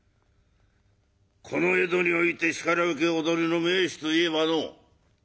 この江戸においてしかるべき踊りの名手といえばのう